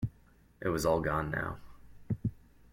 It was all gone now.